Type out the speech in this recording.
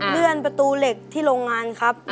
เลื่อนประตูเหล็กที่โรงงานครับ